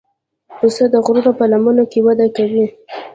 پسه د غرونو په لمنو کې وده کوي.